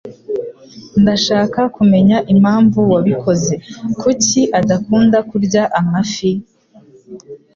Ndashaka kumenya impamvu wabikoze. Kuki adakunda kurya amafi?